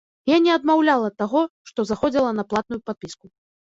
Я не адмаўляла таго, што заходзіла на платную падпіску.